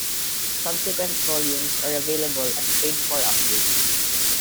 Subsequent volumes are available as paid-for updates.